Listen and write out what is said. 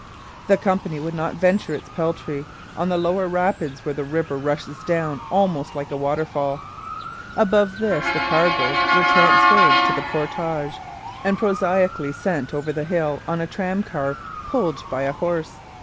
The Company would not venture its peltry on the lower rapid where the river rushes down almost like a waterfall. Above this the cargoes were transferred to the portage, and prosaically sent over the hill on a tram car pulled by a horse.